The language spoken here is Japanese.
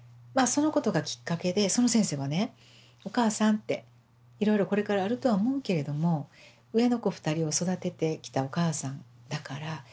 そのことがきっかけでその先生はね「お母さん」って「いろいろこれからあるとは思うけれども上の子２人を育ててきたお母さんだから同じように育てたらいいよ」って。